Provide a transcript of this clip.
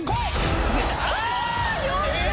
あ！